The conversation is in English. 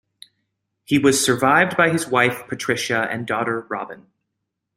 He was survived by his wife Patricia and daughter Robin.